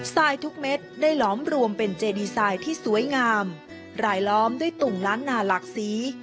ทรายทุกเม็ดได้หลอมรวมเป็นเจดีไซน์ที่สวยงามรายล้อมด้วยตุ่มล้านนาหลากสี